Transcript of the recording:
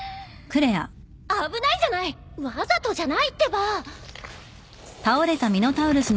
危ないじゃない！わざとじゃないってば。